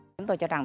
chúng tôi cho rằng